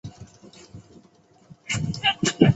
曾铣人。